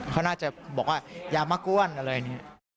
เขาน่าจะบอกว่าอย่ามากวนอะไรนี้